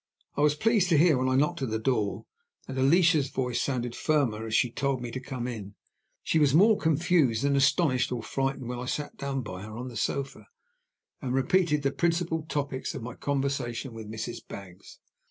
I was pleased to hear, when I knocked at the door, that Alicia's voice sounded firmer as she told me to come in. She was more confused than astonished or frightened when I sat down by her on the sofa, and repeated the principal topics of my conversion with Mrs. Baggs.